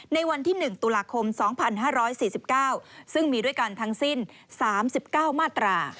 ในวันที่๑ตุลาคม๒๕๔๙ซึ่งมีด้วยกันทั้งสิ้น๓๙มาตรา